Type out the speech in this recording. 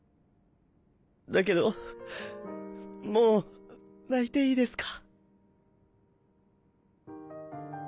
だけどもう泣いていいですか？